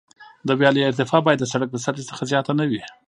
د ویالې ارتفاع باید د سرک د سطحې څخه زیاته نه وي